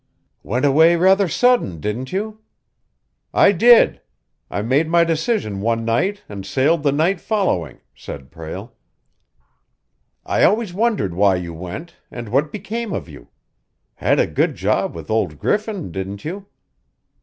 "Went away rather sudden, didn't you?" "I did. I made my decision one night and sailed the night following," said Prale. "I always wondered why you went, and what became of you. Had a good job with old Griffin, didn't you?"